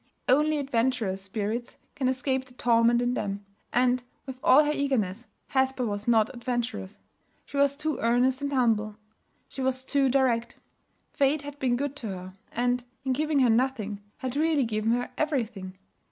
Only adventurous spirits can escape the torment in them. And, with all her eagerness, Hesper was not adventurous. She was too earnest and humble, she was too direct. Fate had been good to her; and, in giving her nothing, had really given her everything.